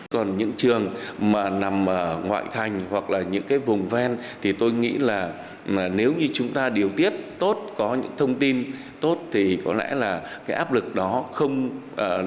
còn những trường mà nằm ngoại thành hoặc là những cái vùng ven thì tôi nghĩ là nếu như chúng ta điều tiết tốt có những thông tin tốt thì có lẽ là cái áp lực đó không lớn như là chúng ta vẫn nghĩ